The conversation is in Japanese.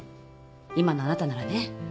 今のあなたならね。